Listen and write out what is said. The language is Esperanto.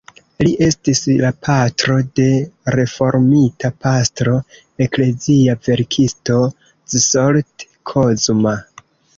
Li estis la patro de reformita pastro, eklezia verkisto Zsolt Kozma.